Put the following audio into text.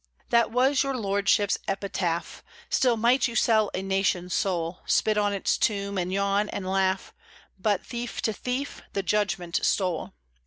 That was your lordships' epitaph; Still might you sell a nation's soul, Spit on its tomb, and yawn and laugh, But, thief to thief, the judgment stole.